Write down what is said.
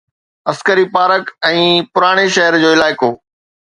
عسڪري park ۽ پراڻي شهر جو علائقو